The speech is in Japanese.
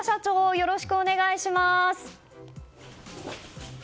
よろしくお願いします。